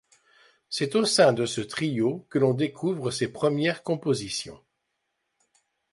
C'est au sein de ce trio que l'on découvre ses premières compositions.